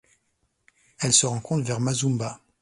Elle se rencontre vers Mazumba.